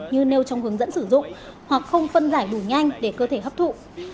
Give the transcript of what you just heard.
như nêu trong hướng dẫn sử dụng hoặc không phân giải đủ nhanh để cơ thể hấp thụ